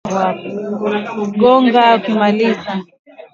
Ndigana kali ni ugonjwa wa mfumo wa upumuaji